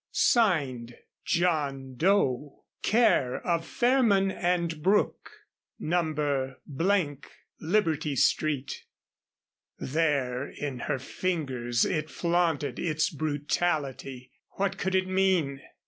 (Signed) JOHN DOE, Care of Fairman and Brooke, No. Liberty Street. There in her fingers it flaunted its brutality. What could it mean?